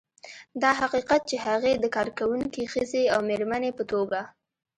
دا حقیقت چې هغې د کارکونکې ښځې او مېرمنې په توګه